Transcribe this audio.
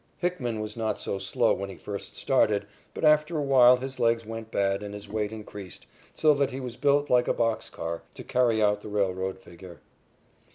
Hickman was not so slow when he first started, but after a while his legs went bad and his weight increased, so that he was built like a box car, to carry out the railroad figure.